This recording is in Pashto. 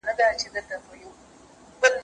که اکسیجن نه وي ژوند نشته.